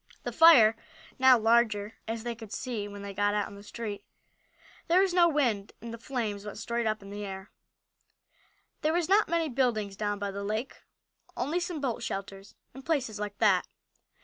The fire was now larger, as they could see when they got out in the street. There was no wind and the flames went straight up in the air. There were not many buildings down by the lake, only some boat shelters and places like that.